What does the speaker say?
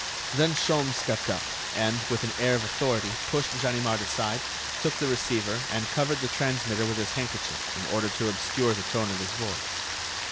Then Sholmes stepped up, and, with an air of authority, pushed Ganimard aside, took the receiver, and covered the transmitter with his handkerchief in order to obscure the tone of his voice.